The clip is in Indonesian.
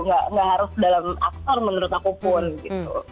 nggak harus dalam aktor menurut aku pun gitu